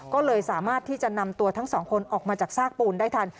ก็เลยสามารถที่จะนำตัวทั้งสองคนออกมาจากซากปูนได้ทัน